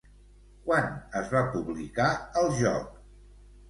Quan es va publicar el joc?